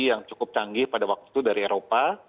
yang cukup canggih pada waktu itu dari eropa